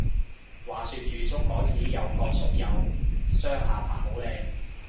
話說住宿嗰時有個宿友雙下巴好靚